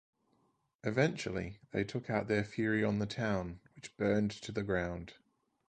Eventually, they took out their fury on the town, which burned to the ground.